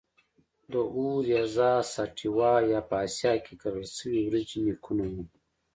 د Oryza sativa یا په اسیا کې کرل شوې وریجې نیکونه وو.